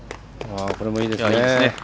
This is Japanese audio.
これもいいですね。